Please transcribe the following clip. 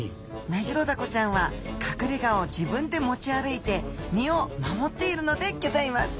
メジロダコちゃんは隠れがを自分で持ち歩いて身を守っているのでぎょざいます。